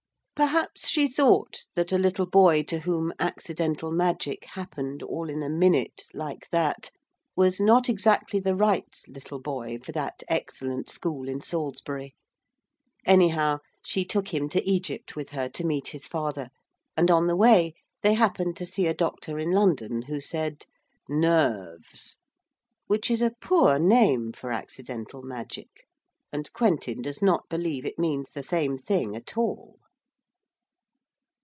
Perhaps she thought that a little boy to whom accidental magic happened all in a minute, like that, was not exactly the right little boy for that excellent school in Salisbury. Anyhow she took him to Egypt with her to meet his father, and, on the way, they happened to see a doctor in London who said: 'Nerves' which is a poor name for accidental magic, and Quentin does not believe it means the same thing at all.